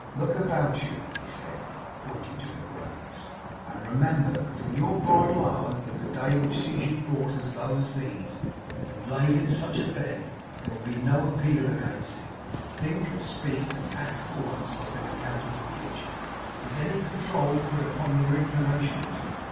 'Look about you,' he said, pointing to the graves; 'and remember that from your bridal hour to the day which sees you brought as low as these, and laid in such a bed, there will be no appeal against him. Think, and speak, and act, for once, like an accountable creature. Is any control put upon your inclinations?